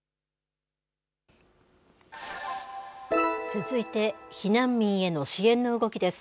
続いて、避難民への支援の動きです。